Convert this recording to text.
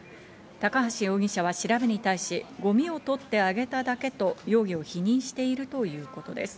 高橋容疑者は調べに対し、ゴミを取ってあげただけと容疑を否認しているということです。